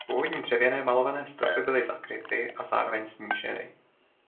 Původní dřevěné malované stropy byly zakryty a zároveň sníženy.